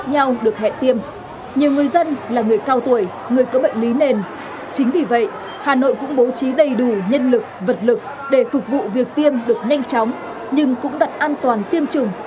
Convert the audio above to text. nhưng cũng đặt an toàn tiêm chủng lên hàng đầu